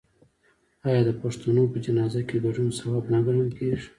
آیا د پښتنو په جنازه کې ګډون ثواب نه ګڼل کیږي؟